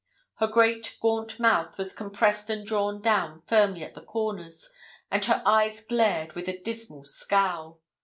Her great gaunt mouth was compressed and drawn down firmly at the corners, and her eyes glared with a dismal scowl.